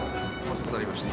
遅くなりました。